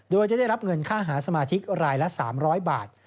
โดยจะได้รับเงินค่าหาสมาชิกรายละ๓๐๐บาท